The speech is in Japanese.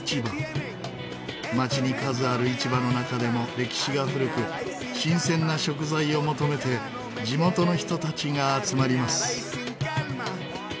街に数ある市場の中でも歴史が古く新鮮な食材を求めて地元の人たちが集まります。